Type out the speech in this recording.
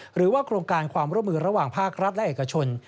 หรือว่าโครงการความร่วมมือระหว่างภาครัฐและเอกชน